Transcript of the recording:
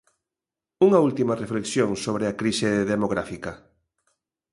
Unha última reflexión sobre a crise demográfica.